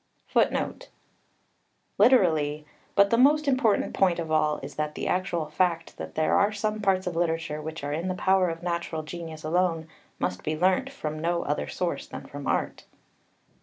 [Footnote 1: Literally, "But the most important point of all is that the actual fact that there are some parts of literature which are in the power of natural genius alone, must be learnt from no other source than from art."